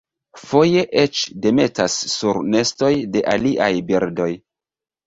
Foje eĉ demetas sur nestoj de aliaj birdoj.